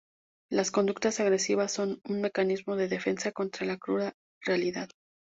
Las conductas agresivas son un mecanismo de defensa contra la cruda realidad.